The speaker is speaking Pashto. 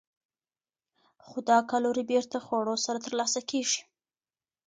خو دا کالوري بېرته خوړو سره ترلاسه کېږي.